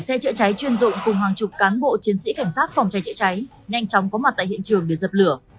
một xe chữa cháy chuyên dụng cùng hàng chục cán bộ chiến sĩ cảnh sát phòng cháy chữa cháy nhanh chóng có mặt tại hiện trường để dập lửa